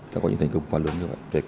dường ơi ta nhớ lắm nghe